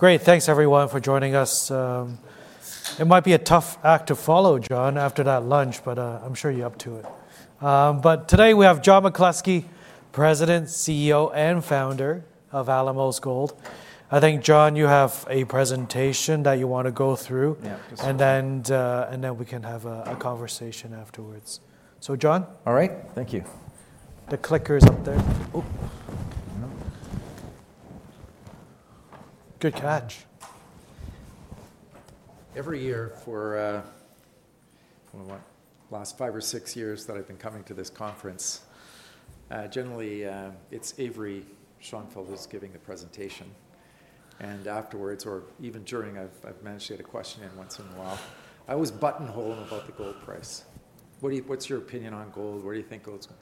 Great. Thanks, everyone, for joining us. It might be a tough act to follow, John, after that lunch, but I'm sure you're up to it. But today we have John McCluskey, President, CEO, and founder of Alamos Gold. I think, John, you have a presentation that you want to go through. Yeah. And then we can have a conversation afterwards. So, John. All right. Thank you. The clicker is up there. Oh. Good catch. Every year for, I don't know what, the last five or six years that I've been coming to this conference, generally it's Avery Shenfeld who's giving the presentation, and afterwards, or even during, I've managed to get a question in once in a while. I always buttonhole them about the gold price. What's your opinion on gold? Where do you think gold's going?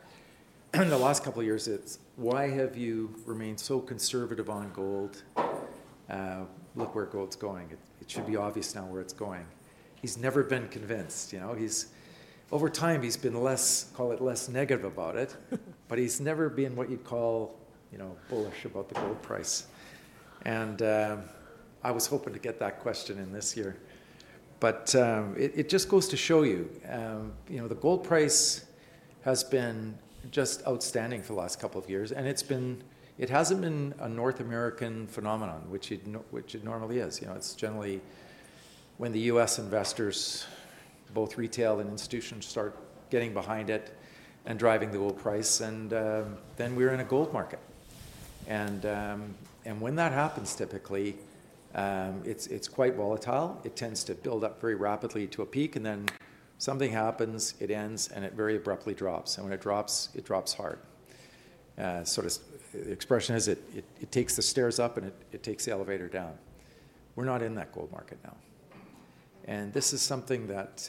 And the last couple of years it's, why have you remained so conservative on gold? Look where gold's going. It should be obvious now where it's going. He's never been convinced. Over time, he's been less, call it less negative about it, but he's never been what you'd call bullish about the gold price, and I was hoping to get that question in this year, but it just goes to show you, the gold price has been just outstanding for the last couple of years. It hasn't been a North American phenomenon, which it normally is. It's generally when the US investors, both retail and institutions, start getting behind it and driving the gold price, and then we're in a gold market. When that happens, typically, it's quite volatile. It tends to build up very rapidly to a peak, and then something happens, it ends, and it very abruptly drops. When it drops, it drops hard. Sort of the expression is, it takes the stairs up and it takes the elevator down. We're not in that gold market now. This is something that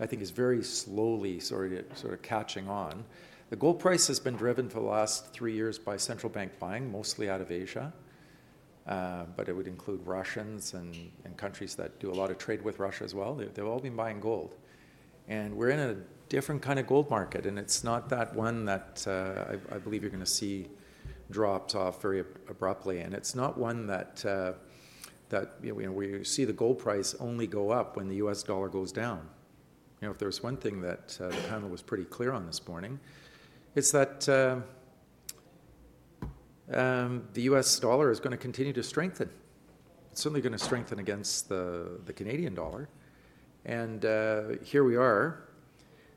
I think is very slowly sort of catching on. The gold price has been driven for the last three years by central bank buying, mostly out of Asia, but it would include Russians and countries that do a lot of trade with Russia as well. They've all been buying gold. And we're in a different kind of gold market, and it's not that one that I believe you're going to see drop off very abruptly. And it's not one that we see the gold price only go up when the US dollar goes down. If there's one thing that the panel was pretty clear on this morning, it's that the US dollar is going to continue to strengthen. It's certainly going to strengthen against the Canadian dollar. And here we are,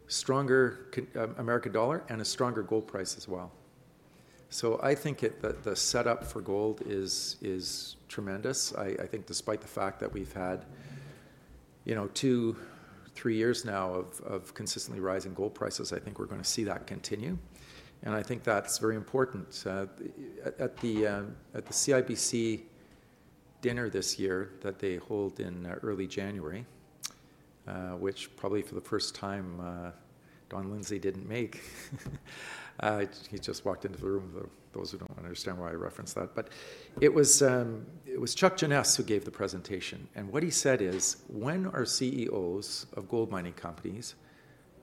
stronger American dollar and a stronger gold price as well. So I think that the setup for gold is tremendous. I think despite the fact that we've had two, three years now of consistently rising gold prices, I think we're going to see that continue. And I think that's very important. At the CIBC dinner this year that they hold in early January, which probably for the first time Don Lindsay didn't make. He just walked into the room. Those who don't understand why I reference that, but it was Chuck Jeannes who gave the presentation, and what he said is, when are CEOs of gold mining companies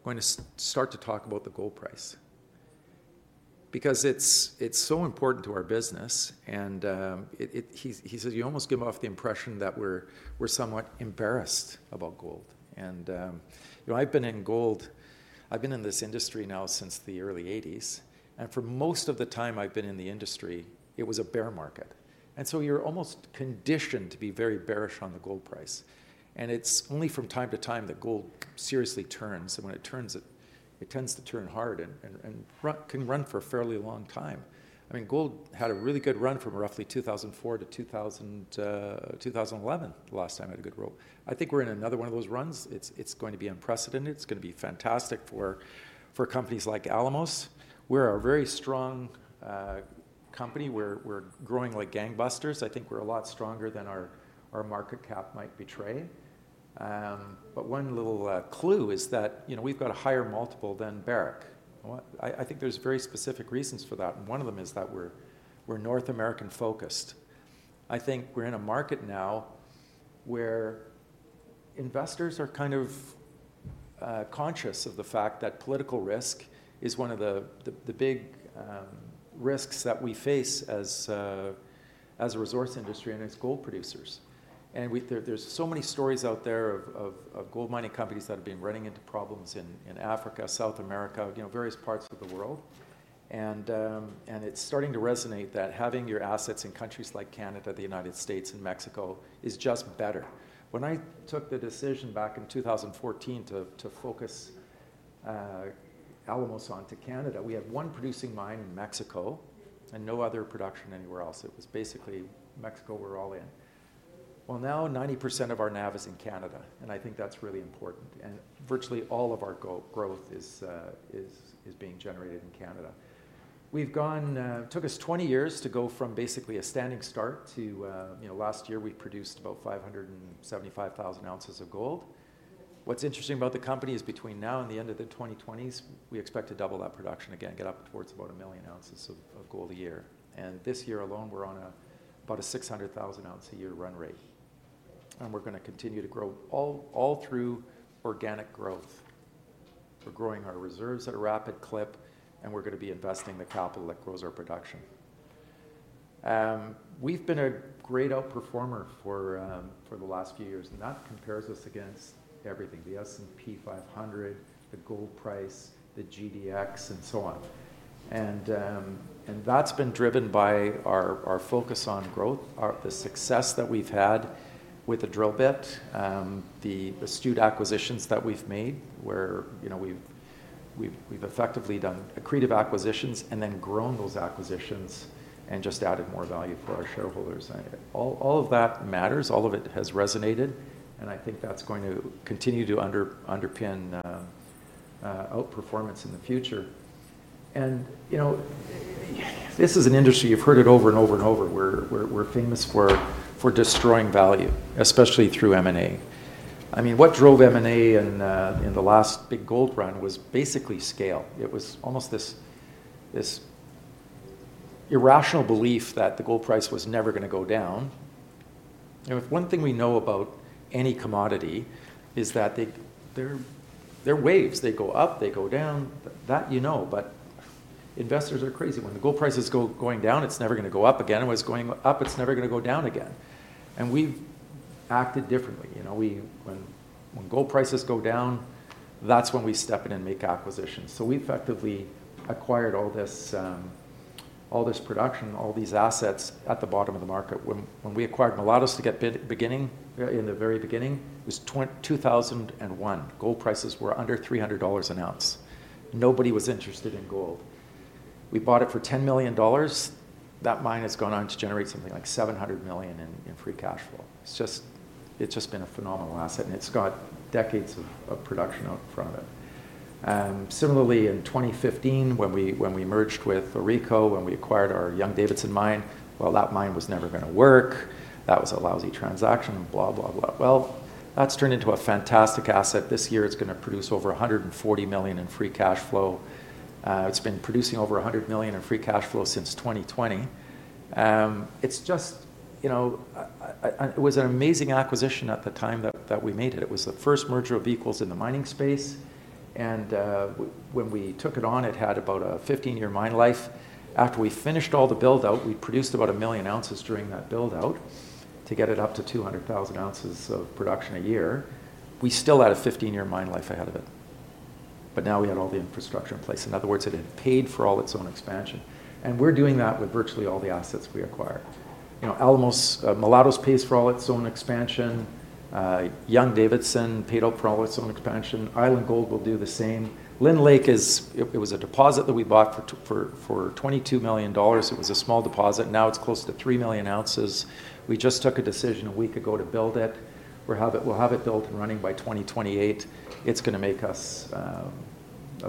going to start to talk about the gold price? Because it's so important to our business, and he says, you almost give off the impression that we're somewhat embarrassed about gold, and I've been in gold. I've been in this industry now since the early 1980s, and for most of the time I've been in the industry, it was a bear market, and so you're almost conditioned to be very bearish on the gold price, and it's only from time to time that gold seriously turns. When it turns, it tends to turn hard and can run for a fairly long time. I mean, gold had a really good run from roughly 2004 to 2011, the last time it had a good run. I think we're in another one of those runs. It's going to be unprecedented. It's going to be fantastic for companies like Alamos. We're a very strong company. We're growing like gangbusters. I think we're a lot stronger than our market cap might betray. One little clue is that we've got a higher multiple than Barrick. I think there's very specific reasons for that. One of them is that we're North American focused. I think we're in a market now where investors are kind of conscious of the fact that political risk is one of the big risks that we face as a resource industry and as gold producers. There's so many stories out there of gold mining companies that have been running into problems in Africa, South America, various parts of the world. It's starting to resonate that having your assets in countries like Canada, the United States, and Mexico is just better. When I took the decision back in 2014 to focus Alamos onto Canada, we had one producing mine in Mexico and no other production anywhere else. It was basically Mexico we're all in. Now 90% of our NAV is in Canada. I think that's really important. Virtually all of our growth is being generated in Canada. It took us 20 years to go from basically a standing start to last year we produced about 575,000 ounces of gold. What's interesting about the company is between now and the end of the 2020s, we expect to double that production again, get up towards about a million ounces of gold a year. And this year alone, we're on about a 600,000 ounce a year run rate. And we're going to continue to grow all through organic growth. We're growing our reserves at a rapid clip, and we're going to be investing the capital that grows our production. We've been a great outperformer for the last few years. And that compares us against everything, the S&P 500, the gold price, the GDX, and so on. And that's been driven by our focus on growth, the success that we've had with the drill bit, the astute acquisitions that we've made where we've effectively done accretive acquisitions and then grown those acquisitions and just added more value for our shareholders. All of that matters. All of it has resonated. And I think that's going to continue to underpin outperformance in the future. And this is an industry you've heard it over and over and over. We're famous for destroying value, especially through M&A. I mean, what drove M&A in the last big gold run was basically scale. It was almost this irrational belief that the gold price was never going to go down. And if one thing we know about any commodity is that they're waves. They go up, they go down. That, you know. But investors are crazy. When the gold prices go down, it's never going to go up again. When it's going up, it's never going to go down again. And we've acted differently. When gold prices go down, that's when we step in and make acquisitions. We effectively acquired all this production, all these assets at the bottom of the market. When we acquired Mulatos to get beginning in the very beginning, it was 2001. Gold prices were under $300 an ounce. Nobody was interested in gold. We bought it for $10 million. That mine has gone on to generate something like $700 million in free cash flow. It's just been a phenomenal asset. And it's got decades of production out in front of it. Similarly, in 2015, when we merged with AuRico, when we acquired our Young-Davidson mine, well, that mine was never going to work. That was a lousy transaction, blah, blah, blah. Well, that's turned into a fantastic asset. This year, it's going to produce over $140 million in free cash flow. It's been producing over $100 million in free cash flow since 2020. It's just, it was an amazing acquisition at the time that we made it. It was the first merger of equals in the mining space. And when we took it on, it had about a 15-year mine life. After we finished all the build-out, we produced about a million ounces during that build-out to get it up to 200,000 ounces of production a year. We still had a 15-year mine life ahead of it. But now we had all the infrastructure in place. In other words, it had paid for all its own expansion. And we're doing that with virtually all the assets we acquired. Alamos, Mulatos pays for all its own expansion. Young-Davidson paid up for all its own expansion. Island Gold will do the same. Lynn Lake is, it was a deposit that we bought for $22 million. It was a small deposit. Now it's close to 3 million ounces. We just took a decision a week ago to build it. We'll have it built and running by 2028. It's going to make us a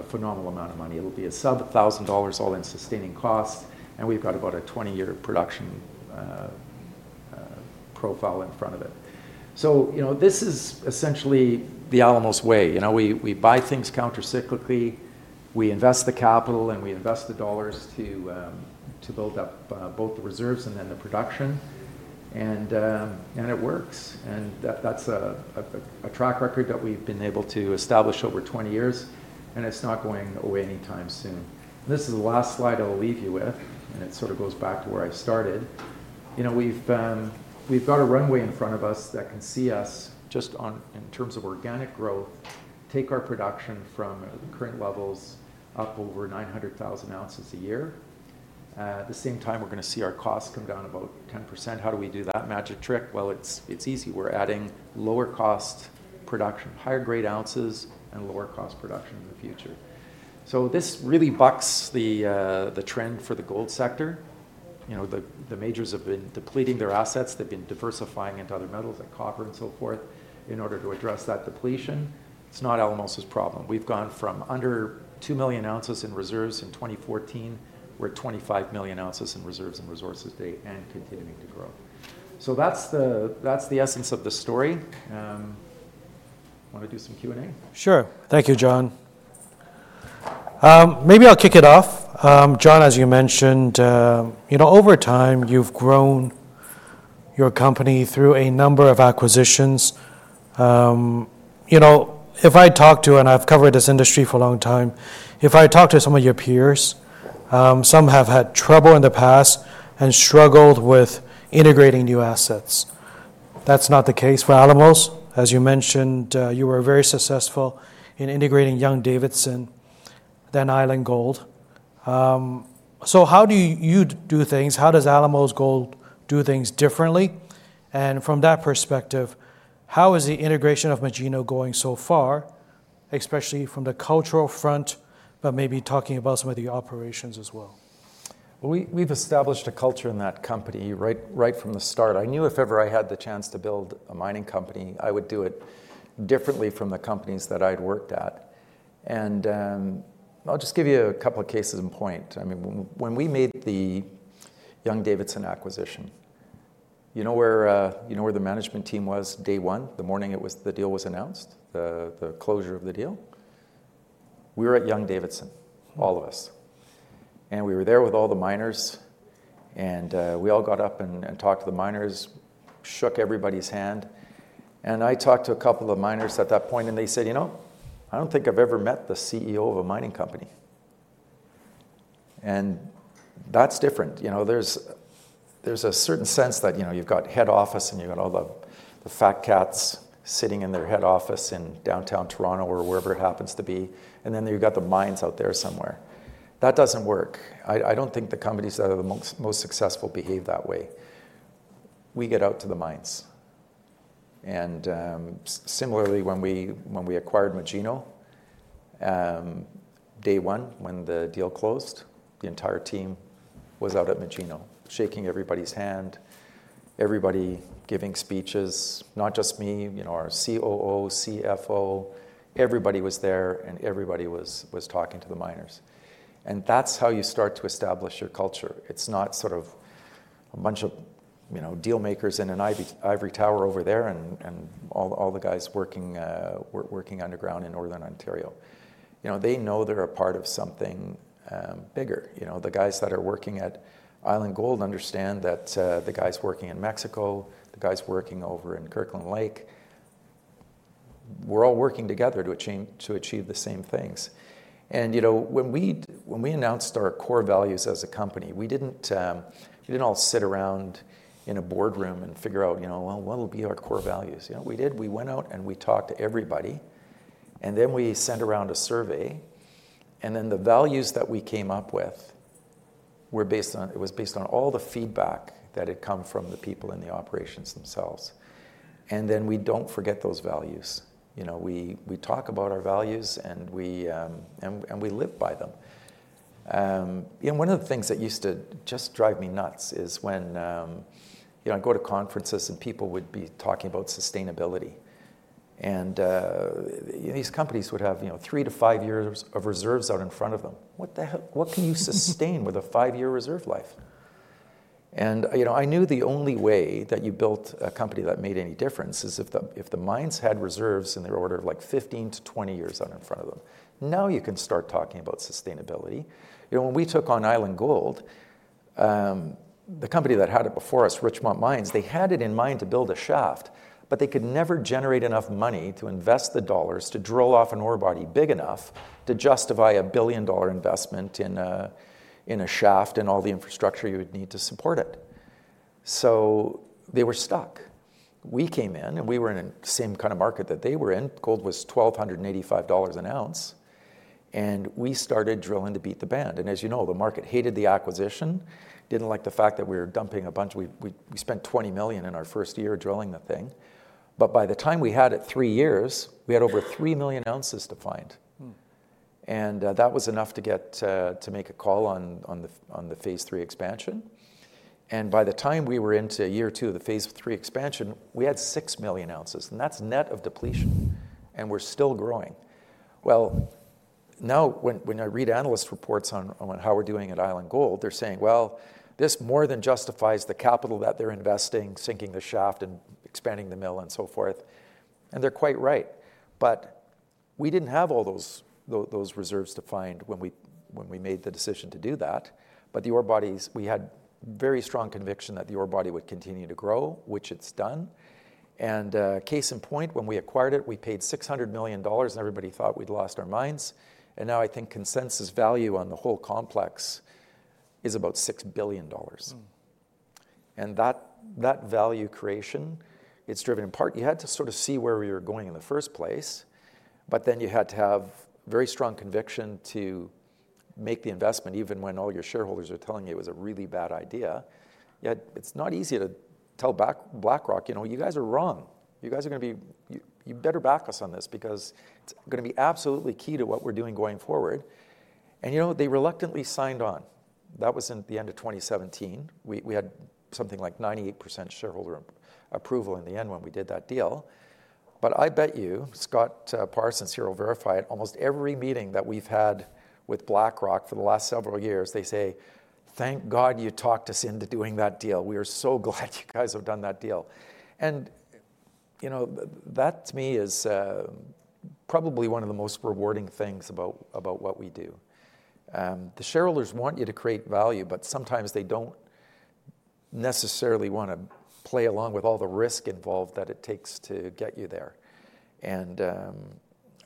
phenomenal amount of money. It'll be a sub $1,000 all-in sustaining costs. And we've got about a 20-year production profile in front of it. So this is essentially the Alamos way. We buy things countercyclically. We invest the capital, and we invest the dollars to build up both the reserves and then the production. And it works. And that's a track record that we've been able to establish over 20 years. And it's not going away anytime soon. This is the last slide I'll leave you with. And it sort of goes back to where I started. We've got a runway in front of us that can see us just in terms of organic growth, take our production from current levels up over 900,000 ounces a year. At the same time, we're going to see our costs come down about 10%. How do we do that magic trick? Well, it's easy. We're adding lower cost production, higher grade ounces, and lower cost production in the future. So this really bucks the trend for the gold sector. The majors have been depleting their assets. They've been diversifying into other metals like copper and so forth in order to address that depletion. It's not Alamos's problem. We've gone from under 2 million ounces in reserves in 2014. We're at 25 million ounces in reserves and resources today and continuing to grow. So that's the essence of the story. Want to do some Q&A? Sure. Thank you, John. Maybe I'll kick it off. John, as you mentioned, over time, you've grown your company through a number of acquisitions. If I talk to, and I've covered this industry for a long time, if I talk to some of your peers, some have had trouble in the past and struggled with integrating new assets. That's not the case for Alamos. As you mentioned, you were very successful in integrating Young-Davidson, then Island Gold. So how do you do things? How does Alamos Gold do things differently? And from that perspective, how is the integration of Magino going so far, especially from the cultural front, but maybe talking about some of the operations as well? We've established a culture in that company right from the start. I knew if ever I had the chance to build a mining company, I would do it differently from the companies that I'd worked at, and I'll just give you a couple of cases in point. I mean, when we made the Young-Davidson acquisition, you know where the management team was day one, the morning the deal was announced, the closure of the deal? We were at Young-Davidson, all of us, and we were there with all the miners, and we all got up and talked to the miners, shook everybody's hand, and I talked to a couple of the miners at that point, and they said, you know, I don't think I've ever met the CEO of a mining company, and that's different. There's a certain sense that you've got head office and you've got all the fat cats sitting in their head office in downtown Toronto or wherever it happens to be. And then you've got the mines out there somewhere. That doesn't work. I don't think the companies that are the most successful behave that way. We get out to the mines. And similarly, when we acquired Magino, day one, when the deal closed, the entire team was out at Magino, shaking everybody's hand, everybody giving speeches, not just me, our COO, CFO. Everybody was there. And everybody was talking to the miners. And that's how you start to establish your culture. It's not sort of a bunch of dealmakers in an ivory tower over there and all the guys working underground in Northern Ontario. They know they're a part of something bigger. The guys that are working at Island Gold understand that the guys working in Mexico, the guys working over in Kirkland Lake, we're all working together to achieve the same things. And when we announced our core values as a company, we didn't all sit around in a boardroom and figure out, well, what'll be our core values? We did. We went out and we talked to everybody. And then we sent around a survey. And then the values that we came up with, it was based on all the feedback that had come from the people in the operations themselves. And then we don't forget those values. We talk about our values, and we live by them. One of the things that used to just drive me nuts is when I'd go to conferences and people would be talking about sustainability. And these companies would have three-five years of reserves out in front of them. What the heck? What can you sustain with a five-year reserve life? And I knew the only way that you built a company that made any difference is if the mines had reserves in the order of like 15-20 years out in front of them. Now you can start talking about sustainability. When we took on Island Gold, the company that had it before us, Richmont Mines, they had it in mind to build a shaft, but they could never generate enough money to invest the dollars to drill off an ore body big enough to justify a billion-dollar investment in a shaft and all the infrastructure you would need to support it. So they were stuck. We came in, and we were in the same kind of market that they were in. Gold was $1,285 an ounce. And we started drilling to beat the band. And as you know, the market hated the acquisition, didn't like the fact that we were dumping a bunch. We spent $20 million in our first year drilling the thing. But by the time we had it three years, we had over three million ounces to find. And that was enough to make a call on the phase three expansion. And by the time we were into year two of the phase three expansion, we had six million ounces. And that's net of depletion. And we're still growing. Now when I read analyst reports on how we're doing at Island Gold, they're saying, well, this more than justifies the capital that they're investing, sinking the shaft and expanding the mill and so forth, and they're quite right, but we didn't have all those reserves to find when we made the decision to do that, but the ore bodies, we had very strong conviction that the ore body would continue to grow, which it's done, and case in point, when we acquired it, we paid $600 million, and everybody thought we'd lost our minds. Now I think consensus value on the whole complex is about $6 billion, and that value creation, it's driven in part, you had to sort of see where we were going in the first place. But then you had to have very strong conviction to make the investment even when all your shareholders are telling you it was a really bad idea. Yet it's not easy to tell BlackRock, you guys are wrong. You guys are going to be, you better back us on this because it's going to be absolutely key to what we're doing going forward. And they reluctantly signed on. That was in the end of 2017. We had something like 98% shareholder approval in the end when we did that deal. But I bet you, Scott Parsons here will verify it, almost every meeting that we've had with BlackRock for the last several years, they say, thank God you talked us into doing that deal. We are so glad you guys have done that deal. And that to me is probably one of the most rewarding things about what we do. The shareholders want you to create value, but sometimes they don't necessarily want to play along with all the risk involved that it takes to get you there, and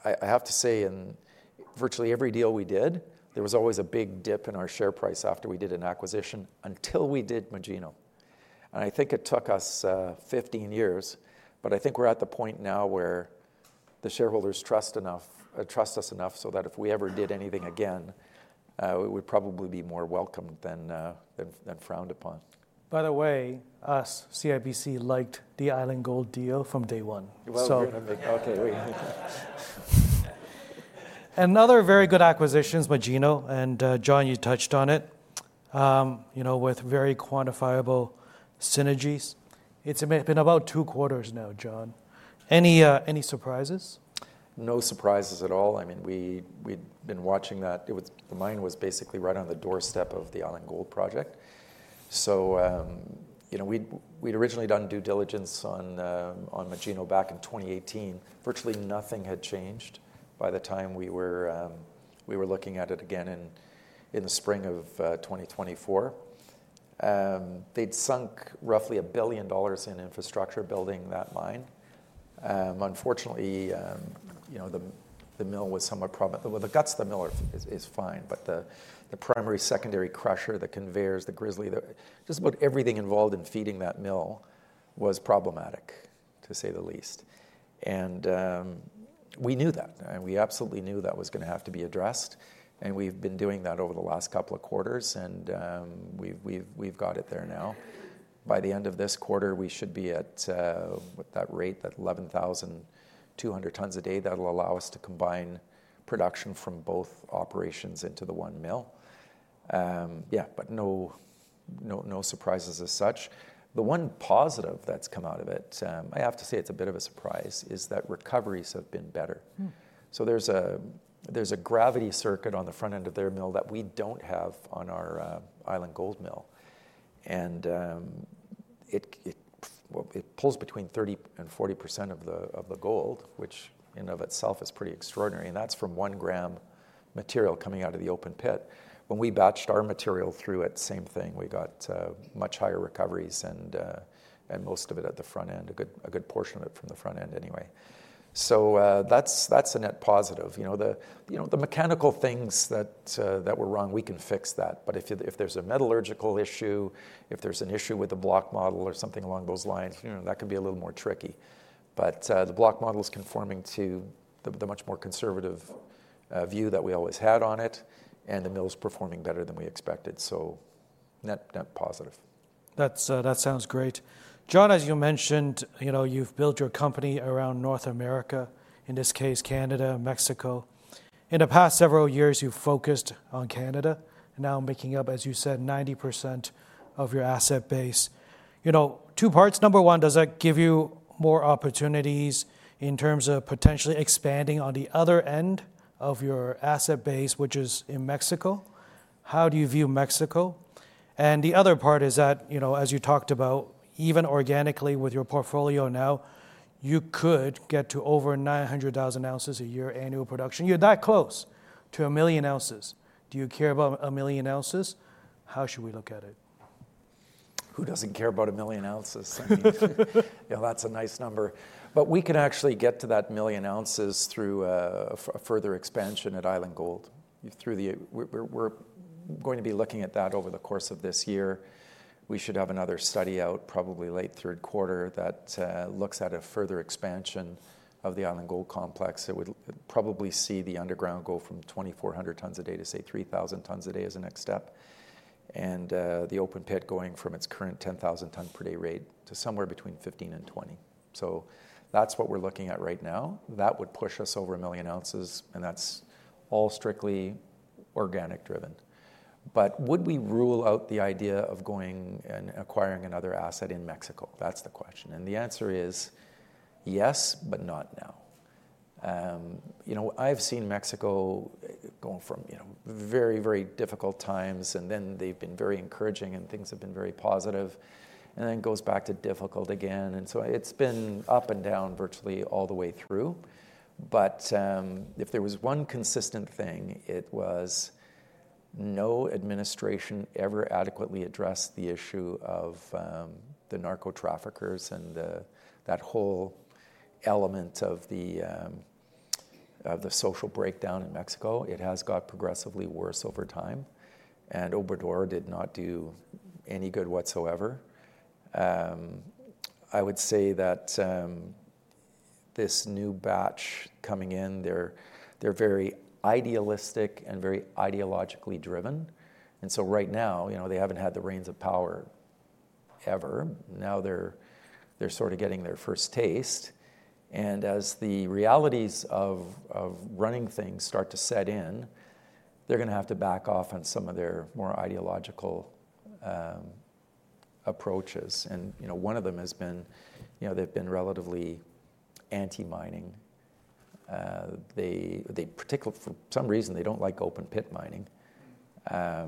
I have to say, in virtually every deal we did, there was always a big dip in our share price after we did an acquisition until we did Magino, and I think it took us 15 years, but I think we're at the point now where the shareholders trust us enough so that if we ever did anything again, it would probably be more welcome than frowned upon. By the way, us, CIBC, liked the Island Gold deal from day one. Another very good acquisition is Magino, and John, you touched on it with very quantifiable synergies. It's been about two quarters now, John. Any surprises? No surprises at all. I mean, we'd been watching that. The mine was basically right on the doorstep of the Island Gold project, so we'd originally done due diligence on Magino back in 2018. Virtually nothing had changed by the time we were looking at it again in the spring of 2024. They'd sunk roughly $1 billion in infrastructure building that mine. Unfortunately, the mill was somewhat problematic. Well, the guts of the mill are fine, but the primary secondary crusher, the conveyors, the grizzly, just about everything involved in feeding that mill was problematic, to say the least, and we knew that. And we absolutely knew that was going to have to be addressed, and we've been doing that over the last couple of quarters. And we've got it there now. By the end of this quarter, we should be at that rate, that 11,200 tons a day that'll allow us to combine production from both operations into the one mill. Yeah, but no surprises as such. The one positive that's come out of it, I have to say it's a bit of a surprise, is that recoveries have been better. So there's a gravity circuit on the front end of their mill that we don't have on our Island Gold mill. And it pulls between 30% and 40% of the gold, which in and of itself is pretty extraordinary. And that's from one gram material coming out of the open pit. When we batched our material through it, same thing. We got much higher recoveries and most of it at the front end, a good portion of it from the front end anyway. So that's a net positive. The mechanical things that were wrong, we can fix that. But if there's a metallurgical issue, if there's an issue with the block model or something along those lines, that could be a little more tricky. But the block model is conforming to the much more conservative view that we always had on it. And the mill's performing better than we expected. So net positive. That sounds great. John, as you mentioned, you've built your company around North America, in this case, Canada and Mexico. In the past several years, you've focused on Canada, now making up, as you said, 90% of your asset base. Two parts. Number one, does that give you more opportunities in terms of potentially expanding on the other end of your asset base, which is in Mexico? How do you view Mexico? And the other part is that, as you talked about, even organically with your portfolio now, you could get to over 900,000 ounces a year annual production. You're that close to a million ounces. Do you care about a million ounces? How should we look at it? Who doesn't care about a million ounces? That's a nice number. But we could actually get to that million ounces through a further expansion at Island Gold. We're going to be looking at that over the course of this year. We should have another study out probably late third quarter that looks at a further expansion of the Island Gold complex. It would probably see the underground go from 2,400 tons a day to, say, 3,000 tons a day as a next step. And the open pit going from its current 10,000-ton-per-day rate to somewhere between 15 and 20. So that's what we're looking at right now. That would push us over a million ounces. And that's all strictly organic driven. But would we rule out the idea of going and acquiring another asset in Mexico? That's the question. And the answer is yes, but not now. I've seen Mexico go from very, very difficult times, and then they've been very encouraging, and things have been very positive, and then it goes back to difficult again, and so it's been up and down virtually all the way through, but if there was one consistent thing, it was no administration ever adequately addressed the issue of the narco traffickers and that whole element of the social breakdown in Mexico. It has got progressively worse over time, and Obrador did not do any good whatsoever. I would say that this new batch coming in, they're very idealistic and very ideologically driven, and so right now, they haven't had the reins of power ever. Now they're sort of getting their first taste, and as the realities of running things start to set in, they're going to have to back off on some of their more ideological approaches. And one of them has been, they've been relatively anti-mining. For some reason, they don't like open pit mining. I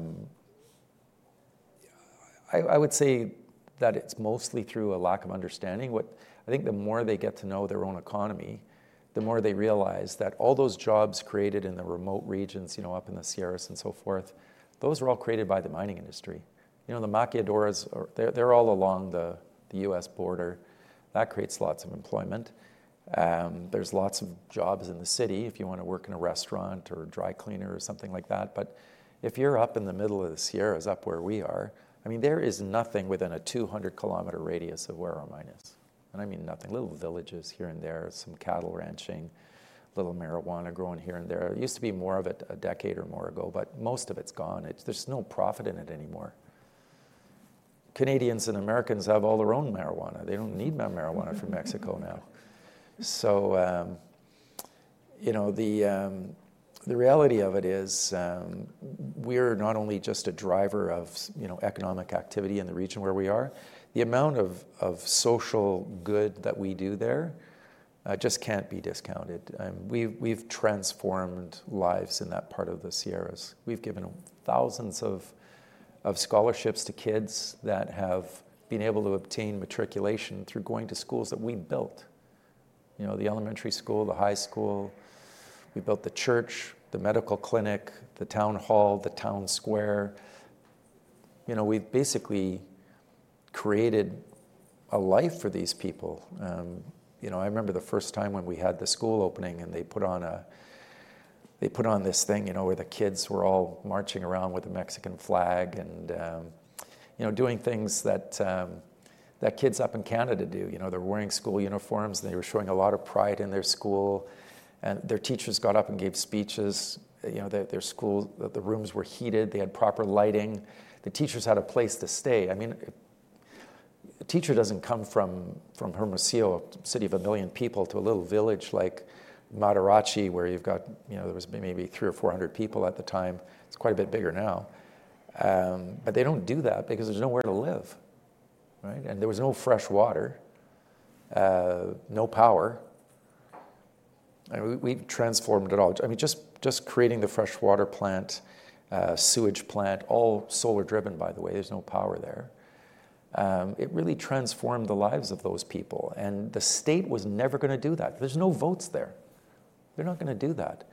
would say that it's mostly through a lack of understanding. I think the more they get to know their own economy, the more they realize that all those jobs created in the remote regions, up in the Sierras and so forth, those are all created by the mining industry. The maquiladoras, they're all along the US border. That creates lots of employment. There's lots of jobs in the city if you want to work in a restaurant or dry cleaner or something like that. But if you're up in the middle of the Sierras, up where we are, I mean, there is nothing within a 200-kilometer radius of where our mine is. And I mean nothing. Little villages here and there, some cattle ranching, a little marijuana growing here and there. It used to be more of it a decade or more ago. But most of it's gone. There's no profit in it anymore. Canadians and Americans have all their own marijuana. They don't need marijuana from Mexico now. So the reality of it is we're not only just a driver of economic activity in the region where we are. The amount of social good that we do there just can't be discounted. We've transformed lives in that part of the Sierras. We've given thousands of scholarships to kids that have been able to obtain matriculation through going to schools that we built. The elementary school, the high school. We built the church, the medical clinic, the town hall, the town square. We've basically created a life for these people. I remember the first time when we had the school opening and they put on this thing where the kids were all marching around with a Mexican flag and doing things that kids up in Canada do. They're wearing school uniforms. And they were showing a lot of pride in their school. And their teachers got up and gave speeches. The rooms were heated. They had proper lighting. The teachers had a place to stay. I mean, a teacher doesn't come from Hermosillo, a city of a million people, to a little village like Matarachi, where you've got maybe 300 or 400 people at the time. It's quite a bit bigger now. But they don't do that because there's nowhere to live. And there was no fresh water, no power. We transformed it all. I mean, just creating the freshwater plant, sewage plant, all solar driven, by the way. There's no power there. It really transformed the lives of those people. And the state was never going to do that. There's no votes there. They're not going to do that.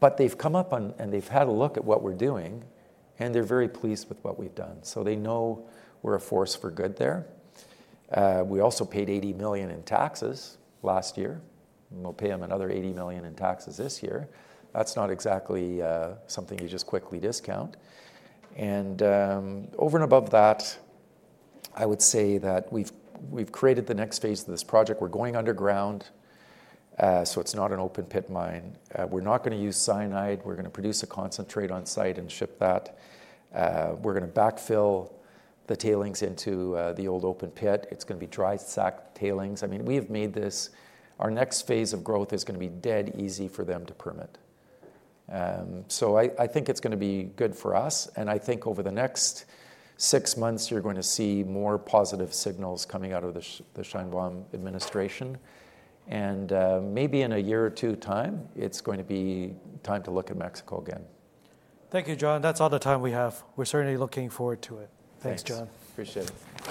But they've come up and they've had a look at what we're doing. And they're very pleased with what we've done. So they know we're a force for good there. We also paid $80 million in taxes last year. We'll pay them another $80 million in taxes this year. That's not exactly something you just quickly discount. And over and above that, I would say that we've created the next phase of this project. We're going underground. So it's not an open pit mine. We're not going to use cyanide. We're going to produce a concentrate on site and ship that. We're going to backfill the tailings into the old open pit. It's going to be dry stack tailings. I mean, we have made this. Our next phase of growth is going to be dead easy for them to permit. So I think it's going to be good for us. And I think over the next six months, you're going to see more positive signals coming out of the Sheinbaum administration. And maybe in a year or two time, it's going to be time to look at Mexico again. Thank you, John. That's all the time we have. We're certainly looking forward to it. Thanks, John. Thanks. Appreciate it.